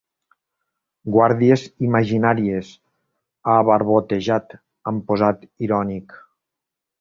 Guàrdies imaginàries, ha barbotejat amb posat irònic.